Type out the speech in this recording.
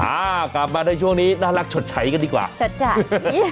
อ่ากลับมาในช่วงนี้น่ารักชดใช้กันดีกว่าจดจัด